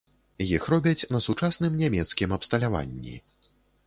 Іх робяць на сучасным нямецкім абсталяванні.